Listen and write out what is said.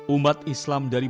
umat islam dari